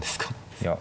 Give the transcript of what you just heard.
いや。